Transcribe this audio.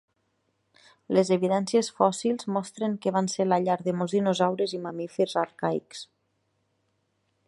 Les evidències fòssils mostren que van ser la llar de molts dinosaures i mamífers arcaics.